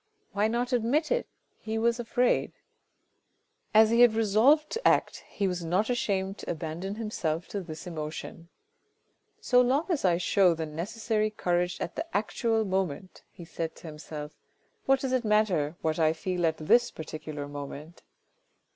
Why not admit it ? he was afraid. As he had resolved to act, he was not ashamed to abandon himself to this emotion. "So long as I show the necessary courage at the actual moment," he said to himself, " what does it matter what I feel at this particular moment